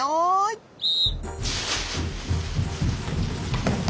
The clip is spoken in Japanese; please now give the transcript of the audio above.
ピッ！